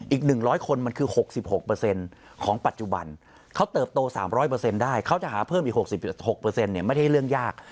อีก๑๐๐คนมันคือ๖๖ของปัจจุบันเขาเติบโต๓๐๐ได้เขาจะหาเพิ่มอีก๖๖ไม่ได้เรื่องยาก